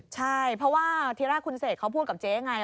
ใช่เพราะว่าทีแรกคุณเสกเขาพูดกับเจ๊ไง